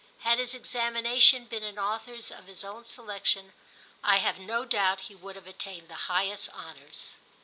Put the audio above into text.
Had his examinations been in authors of his own selection I have no doubt he would have attained the highest honours.